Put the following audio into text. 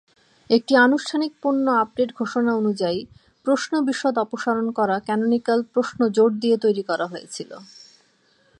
একটি আনুষ্ঠানিক পণ্য আপডেট ঘোষণা অনুযায়ী, প্রশ্ন বিশদ অপসারণ করা ক্যানোনিকাল প্রশ্ন জোর দিয়ে তৈরি করা হয়েছিল